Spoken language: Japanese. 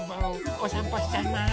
おさんぽしちゃいます。